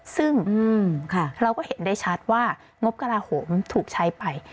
ซึ่งเราก็เห็นได้ชัดว่างบกระลาโหมถูกใช้ไป